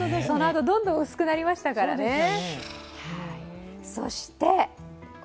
このあと、どんどん薄くなりましたからね。